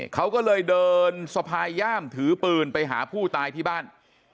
เขาก็เลยเดินสะพายย่ามถือปืนไปหาผู้ตายที่บ้าน